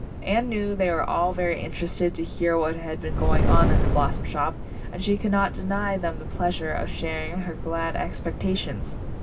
Anne knew they were all very interested to hear what had been going on in the Blossom Shop, and she could not deny them the pleasure of sharing her glad ex pectations.